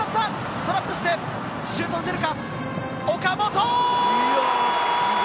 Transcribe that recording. トラップしてシュートを打てるか？